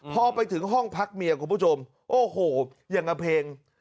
พอไปถึงห้องพักเมียคุณผู้ชมโอ้โหอย่างกับเพลง